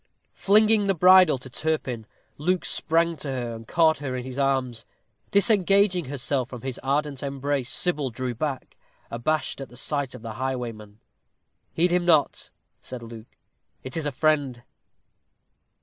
Flinging the bridle to Turpin, Luke sprang to her, and caught her in his arms. Disengaging herself from his ardent embrace, Sybil drew back, abashed at the sight of the highwayman. "Heed him not," said Luke; "it is a friend."